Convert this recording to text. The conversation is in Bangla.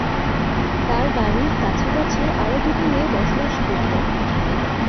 তার বাড়ির কাছাকাছি আরও দুটি মেয়ে বসবাস করত।